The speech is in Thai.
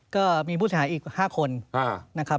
ก็มีผู้สามารถอีก๕คนนะครับ